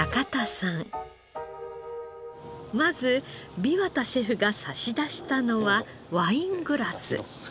まず枇杷田シェフが差し出したのはワイングラス。